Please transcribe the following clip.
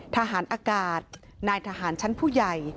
ทหารอากาศนายทหารชั้นผู้ใหญ่